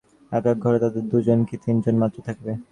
এক এক ঘরে তাদের দু-জন কি তিন জন মাত্র থাকবে।